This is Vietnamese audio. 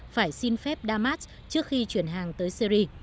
phải xin phép damas trước khi chuyển hàng tới syri